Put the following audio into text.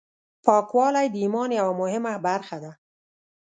پاکوالی د ایمان یوه مهمه برخه ده.